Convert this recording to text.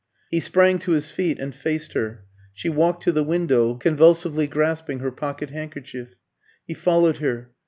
He sprang to his feet and faced her. She walked to the window, convulsively grasping her pocket handkerchief. He followed her.